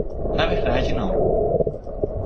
Na verdade, não.